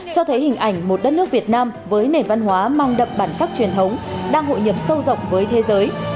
cho thấy hình ảnh một đất nước việt nam với nền văn hóa mang đậm bản sắc truyền thống đang hội nhập sâu rộng với thế giới